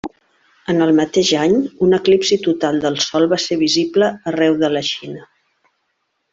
En el mateix any, un eclipsi total del Sol va ser visible arreu la Xina.